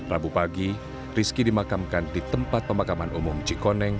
rabu pagi rizky dimakamkan di tempat pemakaman umum cikoneng